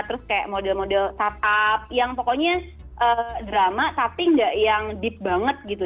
terus kayak model model startup yang pokoknya drama tapi nggak yang deep banget gitu